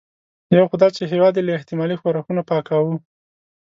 یو خو دا چې هېواد یې له احتمالي ښورښونو پاکاوه.